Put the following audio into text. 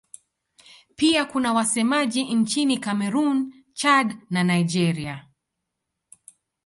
Pia kuna wasemaji nchini Kamerun, Chad na Nigeria.